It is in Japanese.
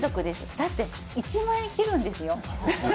だって１万円切るんですよ？